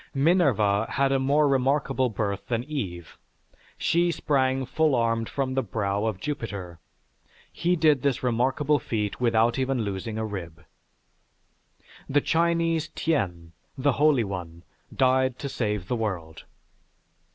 Minerva had a more remarkable birth than Eve; she sprang full armed from the brow of Jupiter. He did this remarkable feat without even losing a rib. The Chinese Tien, the holy one, died to save the world.